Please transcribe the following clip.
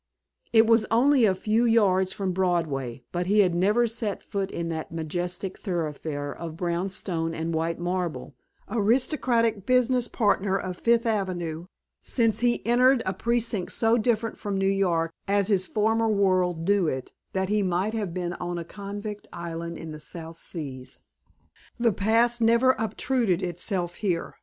It was only a few yards from Broadway, but he had never set foot in that magnificent thoroughfare of brown stone and white marble, aristocratic business partner of Fifth Avenue, since he entered a precinct so different from New York, as his former world knew it, that he might have been on a convict island in the South Seas. The past never obtruded itself here.